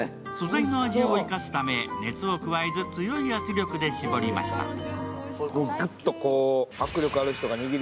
素材の味を生かすため熱を加えず強い圧力で搾りました。